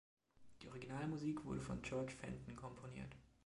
Die Originalmusik wurde von George Fenton komponiert.